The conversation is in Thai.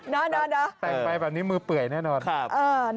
นะแต่งไปแบบนี้มือเปื่อยแน่นอน